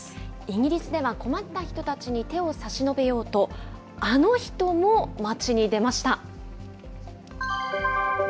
イギリスでは困った人たちに手を差し伸べようと、あの人も街に出ました。